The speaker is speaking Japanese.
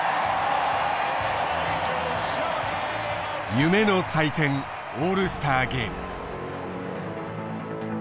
夢の祭典オールスターゲーム。